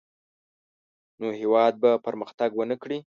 نو هېواد به پرمختګ ونه کړي.